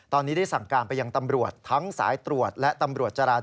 ตอนนี้ได้สั่งการไปยังตำรวจทั้งสายตรวจและตำรวจจราจร